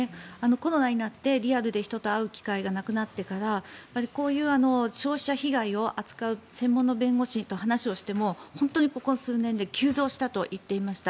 コロナになってリアルで人と会う機会がなくなってからこういう消費者被害を扱う専門の弁護士と話をしても本当にここ数年で急増したと言っていました。